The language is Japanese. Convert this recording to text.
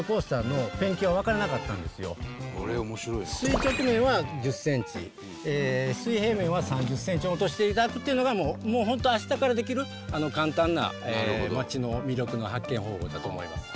垂直面は１０センチ水平面は３０センチ落としていただくっていうのが本当明日からできる簡単な町の魅力の発見方法だと思います。